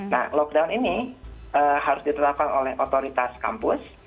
nah lockdown ini harus ditetapkan oleh otoritas kampus